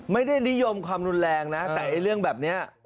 ไม่ได้นิยมความรุนแรงนะแต่เรื่องแบบนี้